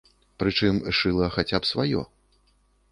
Прычым шыла хаця б сваё.